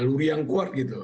tapi yang kuat gitu